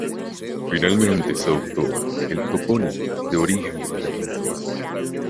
Finalmente se adoptó el topónimo de origen británico.